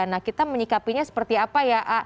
nah kita menyikapinya seperti apa ya